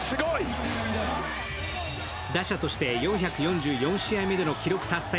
打者として４４４試合目での記録達成